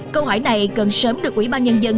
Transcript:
câu hỏi này cần sớm được ủy ban nhân dân